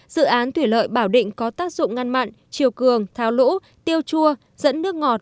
dự án thủy lợi bảo định có tác dụng ngăn mặn chiều cường tháo lũ tiêu chua dẫn nước ngọt